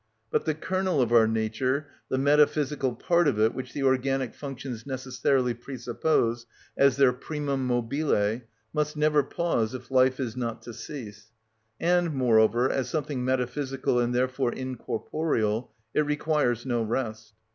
But the kernel of our nature, the metaphysical part of it which the organic functions necessarily presuppose as their primum mobile, must never pause if life is not to cease, and, moreover, as something metaphysical and therefore incorporeal, it requires no rest.